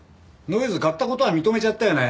ノイズ買った事は認めちゃったよね？